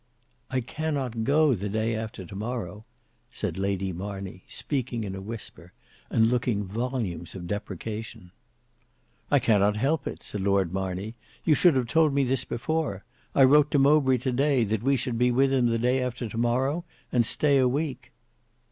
"I cannot go the day after to morrow," said Lady Marney, speaking in a whisper, and looking volumes of deprecation. "I cannot help it," said Lord Marney; "you should have told me this before. I wrote to Mowbray to day, that we should be with him the day after to morrow, and stay a week."